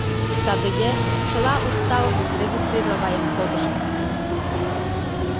Садыге чыла уставым регистрироваен кодышт.